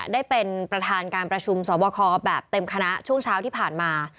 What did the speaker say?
ได้เป็นประธานการประชุมสอบคอแบบเต็มคณะช่วงเช้าที่ผ่านมา